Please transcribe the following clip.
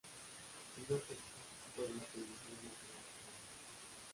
Si no acepta, puede hasta iniciar una pelea con el macho.